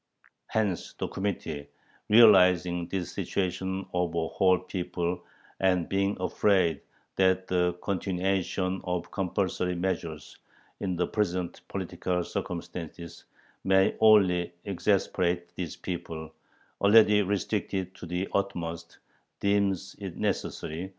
Hence, "the Committee, realizing this situation of a whole people, and being afraid that the continuation of compulsory measures, in the present political circumstances, may only exasperate this people, already restricted to the utmost, deems it necessary